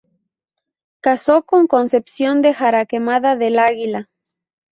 Casó con Concepción de Jaraquemada del Aguila.